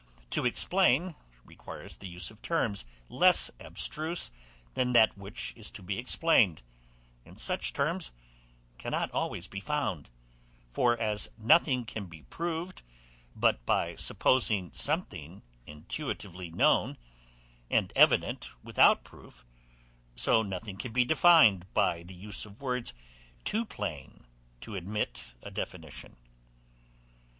To explain, requires the use of terms less abstruse than that which is to be explained, and such terms cannot always be found; for as nothing can be proved but by supposing something intuitively known, and evident without proof, so nothing can be defined but by the use of words too plain to admit a definition.